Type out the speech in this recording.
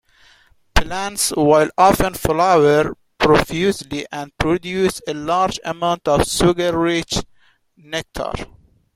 Plants will often flower profusely and produce a large amount of sugar-rich nectar.